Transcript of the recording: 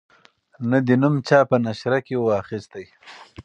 نه دي نوم چا په نشره کی وو اخیستی